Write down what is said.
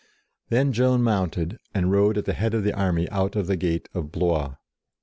Then Joan mounted, and rode at the head of the army out of the gate of Blois.